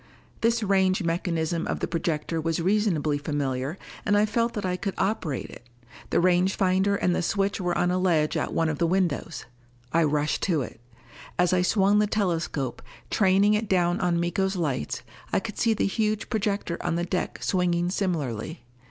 This range mechanism of the projector was reasonably familiar, and I felt that I could operate it. The range finder and the switch were on a ledge at one of the windows. I rushed to it. As I swung the telescope, training it down on Miko's lights, I could see the huge projector on the deck swinging similarly.